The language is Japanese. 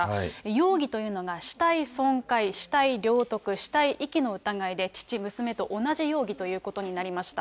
容疑というのが死体損壊、死体領得、死体遺棄の疑いで、父、娘と同じ容疑ということになりました。